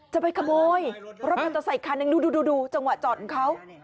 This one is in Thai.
จะไปขโมยรถมอเตอร์ไซคันหนึ่งดูจังหวะจอดของเขา